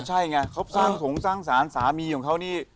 ใช่ไงเขาสร้างสงสร้างสารสามีของเขานี่